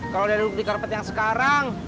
kalau udah duduk di karpet yang sekarang